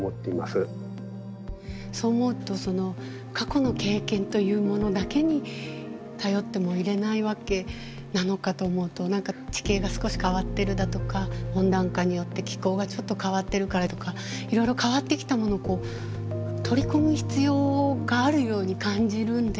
そう思うと過去の経験というものだけに頼ってもいれないわけなのかと思うと何か地形が少し変わってるだとか温暖化によって気候がちょっと変わってるからとかいろいろ変わってきたものを取り込む必要があるように感じるんですけれど。